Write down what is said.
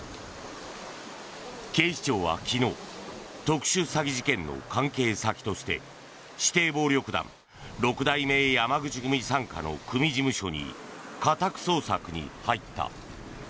警視庁は昨日特殊詐欺事件の関係先として指定暴力団六代目山口組傘下の組事務所に家宅捜索に入った。